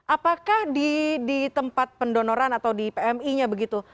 apakah di tempat pendonoran atau di pmi nya begitu